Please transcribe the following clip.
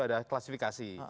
ada yang berkontrasifikasi